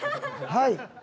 はい！